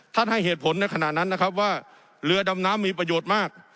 ให้เหตุผลในขณะนั้นนะครับว่าเรือดำน้ำมีประโยชน์มาก